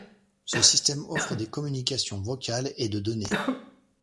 Ce système offre des communications vocales et de données.